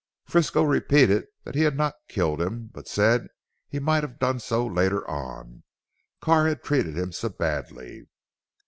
Frisco repeated that he had not killed him, but said he might have done so later on, Carr had treated him so badly.